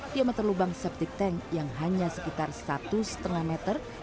dia menelubang septic tank yang hanya sekitar satu lima meter